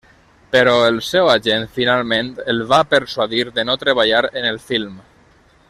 Però el seu agent, finalment, el va persuadir de no treballar en el film.